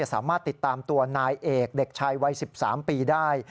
สามารถติดตามตัวนายเอกเด็กชายวัย๑๓ปีได้